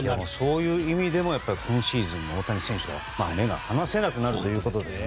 そういう意味でも今シーズンの大谷選手にも目が離せなくなるということで。